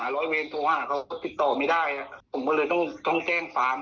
ร้อยเวรโทรหาเขาก็ติดต่อไม่ได้ผมก็เลยต้องแจ้งความ